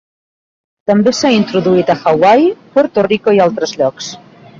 També s'ha introduït a Hawaii, Puerto Rico i altres llocs.